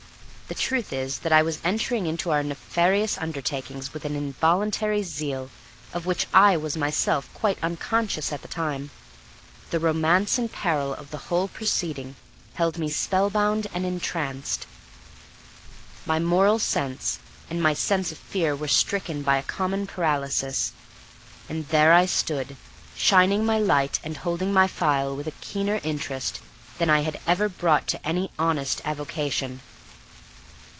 The truth is that I was entering into our nefarious undertaking with an involuntary zeal of which I was myself quite unconscious at the time. The romance and the peril of the whole proceeding held me spellbound and entranced. My moral sense and my sense of fear were stricken by a common paralysis. And there I stood, shining my light and holding my phial with a keener interest than I had ever brought to any honest avocation.